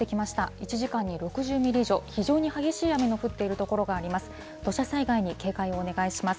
１時間に６０ミリ以上、非常に激しい雨の降っている所があります。